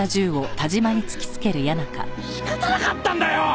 仕方なかったんだよ！